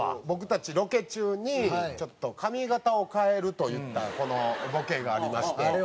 僕たちロケ中にちょっと髪形を変えるといったこのボケがありまして。